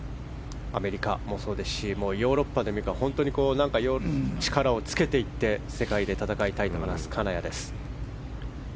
アメリカもそうですしヨーロッパでも本当に力をつけて世界で戦いたいと話す金谷です。